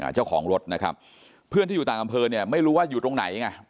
เจ้าของรถนะครับเพื่อนที่อยู่ต่างอำเภอเนี่ยไม่รู้ว่าอยู่ตรงไหนไง